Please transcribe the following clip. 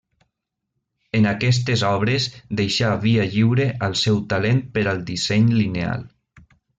En aquestes obres deixà via lliure al seu talent per al disseny lineal.